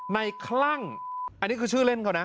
คลั่งอันนี้คือชื่อเล่นเขานะ